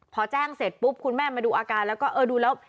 พอแจ้งเสร็จปุ๊บคุณแม่มาดูอาการแล้วก็เออดูแล้ว